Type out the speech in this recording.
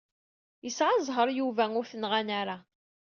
Yesɛa ẓẓher Yuba ur t-nɣan ara.